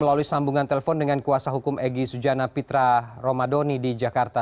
melalui sambungan telepon dengan kuasa hukum egy sujana pitra romadoni di jakarta